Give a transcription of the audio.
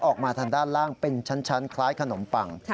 ออกมาทางด้านล่างเป็นชั้นคล้ายขนมปัง